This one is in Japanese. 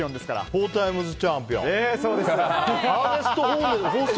フォータイムズチャンピオン。